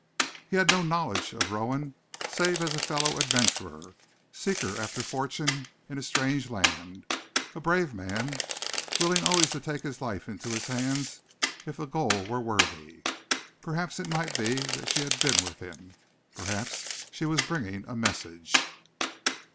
He had no knowledge of Rowan save as a fellow adventurer, a seeker after fortune in a strange land, a brave man, willing always to take his life into his hands if the goal were worthy. Perhaps it might be that she had been with him. Perhaps she was bringing a message.